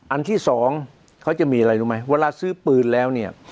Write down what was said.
อันที่สองเขาจะมีอะไรรู้ไหมเวลาซื้อปืนแล้วเนี่ย